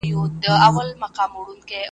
رود به هم له سمندر سره ګډیږي .